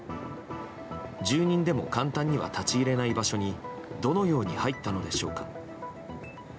住人でも簡単に立ち入れない場所にどのように入ったのでしょうか。